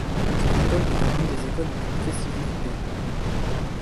Son école devient une des écoles les plus prestigieuses du pays.